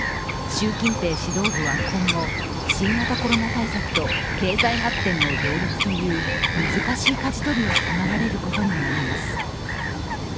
習近平指導部は今後新型コロナ対策と経済発展の両立という難しいかじ取りを迫られることになります。